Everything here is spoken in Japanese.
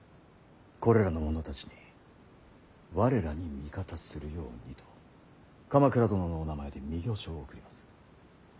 これらの者たちに我らに味方するようにと鎌倉殿のお名前で御教書を送ります。